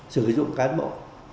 sử dụng cán bộ